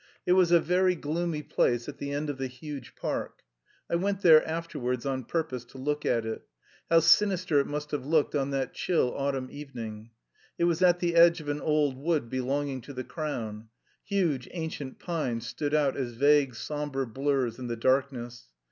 It was a very gloomy place at the end of the huge park. I went there afterwards on purpose to look at it. How sinister it must have looked on that chill autumn evening! It was at the edge of an old wood belonging to the Crown. Huge ancient pines stood out as vague sombre blurs in the darkness.